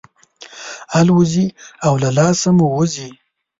الوزي او له لاسه مو وځي.